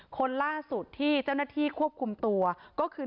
คนล่าสุดที่เจ้าหน้าที่ควบคุมตัวก็คือ